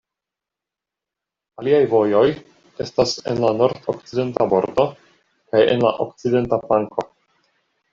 Aliaj vojoj estas en la nordokcidenta bordo kaj en la okcidenta flanko.